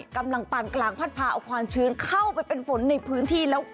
กำลังปรากหลังผ้าเอาความชื้นเข้าไปเป็นฝนในพื้นที่